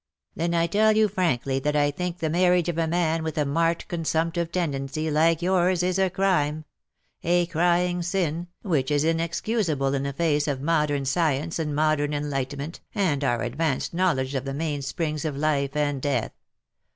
^^Then I tell you frankly that I think the marriage of a man with a marked consumptive tendency^ like yours^ is a crime — a crying siu^ which is inexcusable in the face of modern science and modern enlightenment, and our advanced knowledge of Ihe mainsprings of life and death.